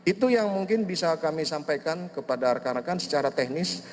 itu yang mungkin bisa kami sampaikan kepada rekan rekan secara teknis